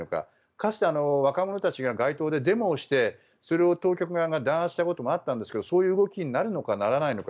かつて、若者たちがデモをしてそれを当局側が弾圧したこともあったんですがそういう動きになるのかならないのか。